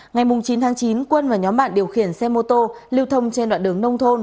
ngày chín tháng chín quân và nhóm bạn điều khiển xe mô tô lưu thông trên đoạn đường nông thôn